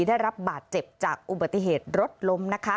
ได้รับบาดเจ็บจากอุบัติเหตุรถล้มนะคะ